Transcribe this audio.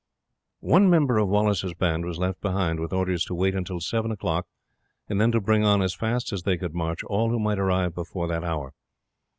One member of Wallace's band was left behind, with orders to wait until seven o'clock, and then to bring on as fast as they could march all who might arrive before that hour.